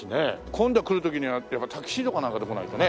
今度来る時にはやっぱタキシードかなんかで来ないとね。